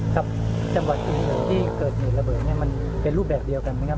ครับจังหวัดที่เกิดเหมือนระเบิดมันเป็นรูปแบบเดียวกันไหมครับ